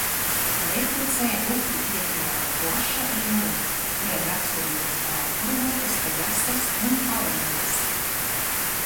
Lejtecē upi iekļauj plaša ieleja, kurai raksturīgas pārpurvotas terases un palienes.